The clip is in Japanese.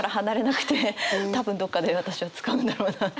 多分どこかで私は使うのだろうなと。